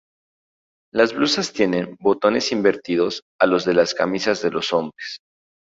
Las blusas tienen botones invertidos a los de las camisas de los hombres.